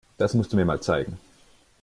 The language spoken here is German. Das musst du mir mal zeigen.